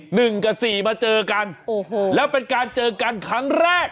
หนึ่งกับสี่มาเจอกันโอ้โหแล้วเป็นการเจอกันครั้งแรก